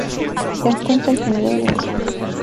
Se encuentra en Trinidad y Venezuela.